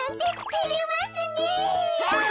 てれますねえ。